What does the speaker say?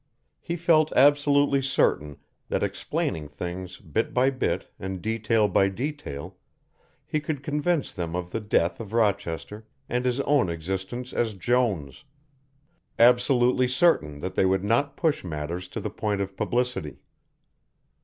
He felt absolutely certain that explaining things bit by bit and detail by detail he could convince them of the death of Rochester and his own existence as Jones; absolutely certain that they would not push matters to the point of publicity.